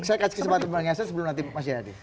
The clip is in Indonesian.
saya kasih sebutan sebelum mas yadid